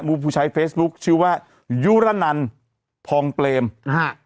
ผู้ใช้เฟซบุ๊คชื่อว่ายุระนันพองเปรมอ่า